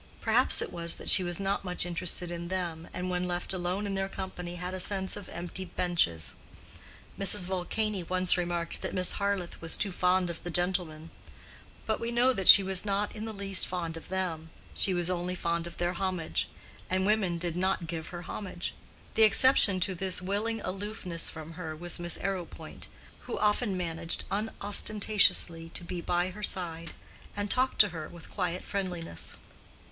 Perhaps it was that she was not much interested in them, and when left alone in their company had a sense of empty benches. Mrs. Vulcany once remarked that Miss Harleth was too fond of the gentlemen; but we know that she was not in the least fond of them—she was only fond of their homage—and women did not give her homage. The exception to this willing aloofness from her was Miss Arrowpoint, who often managed unostentatiously to be by her side, and talked to her with quiet friendliness.